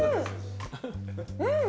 うん！